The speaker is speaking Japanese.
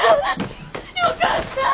よかった。